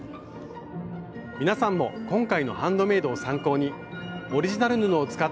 皆さんも今回の「ハンドメイド」を参考にオリジナル布を使った作品作りを楽しんで下さい！